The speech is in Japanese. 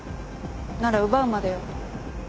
なら奪うまでよ。